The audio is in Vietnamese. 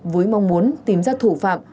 với mong muốn tìm ra thủ phạm